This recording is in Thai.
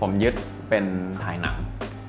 ผมยึดเป็นถ่ายหนัง